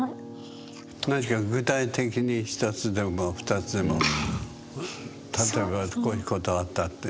何か具体的に１つでも２つでも例えばこういうことあったって。